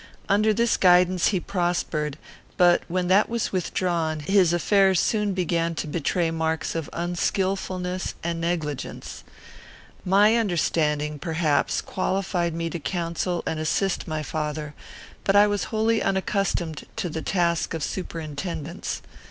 Under this guidance he prospered; but, when that was withdrawn, his affairs soon began to betray marks of unskilfulness and negligence. My understanding, perhaps, qualified me to counsel and assist my father, but I was wholly unaccustomed to the task of superintendence.